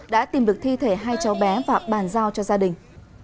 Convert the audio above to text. đã tìm được thi thể hai cháu bé và bàn giao cho gia đình